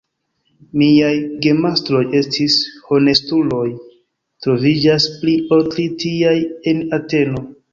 Miaj gemastroj estis honestuloj; troviĝas pli ol tri tiaj en Ateno.